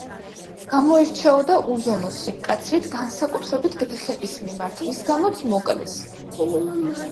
გამოირჩეოდა უზომო სიმკაცრით განსაკუთრებით გლეხების მიმართ, რის გამოც მოკლეს.